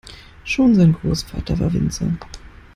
Schon sein Großvater war Winzer.